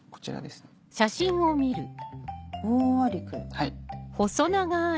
はい。